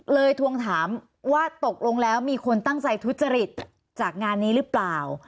ทวงถามว่าตกลงแล้วมีคนตั้งใจทุจริตจากงานนี้หรือเปล่า